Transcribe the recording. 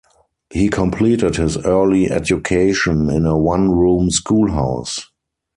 He completed his early education in a one-room schoolhouse.